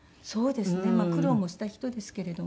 苦労もした人ですけれども。